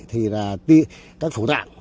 thì là các phổ tạng